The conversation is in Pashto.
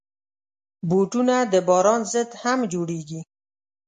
بوټونه د باران ضد هم جوړېږي.